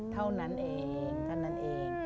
เท่านั้นเองเท่านั้นเอง